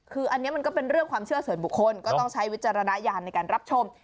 คืออันนี้มันก็เป็นเรื่องความเชื่อส่วนบุคคลก็ต้องใช้วิจารณญาณในการรับชม